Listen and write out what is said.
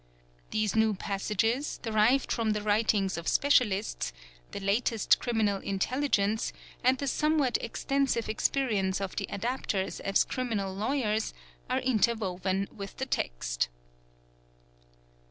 These new passages, derived from the writings of specialists, the latest criminal intelligence, and the somewhat extensive experience of the adap tors as criminal lawyers, are interwoven with the text.